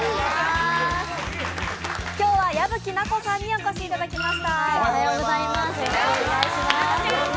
今日は矢吹奈子さんにお越しいただきました。